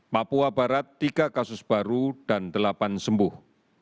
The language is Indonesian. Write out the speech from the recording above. papua barat tiga kasus baru dan delapan sembuh